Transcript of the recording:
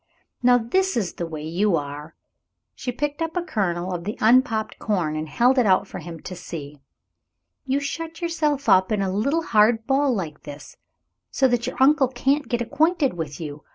Now this is the way you are." She picked up a kernel of the unpopped corn, and held it out for him to see. "You shut yourself up in a little hard ball like this, so that your uncle can't get acquainted with you.